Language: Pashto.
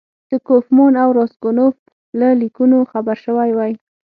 د کوفمان او راسګونوف له لیکونو خبر شوی وای.